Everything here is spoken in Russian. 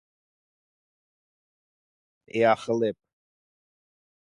Кисловодск — красивый город